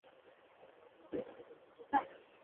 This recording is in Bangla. আমি ও জানি এটি অপরিচিত নাম্বার চেষ্টা চালিয়ে যাও।